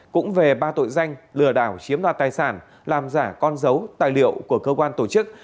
cũng về ba tội danh lừa đảo chiếm đoạt tài sản làm giả con dấu tài liệu của cơ quan tổ chức